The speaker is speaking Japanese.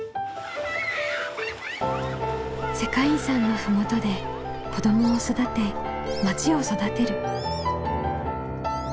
世界遺産の麓で子どもを育てまちを育てる。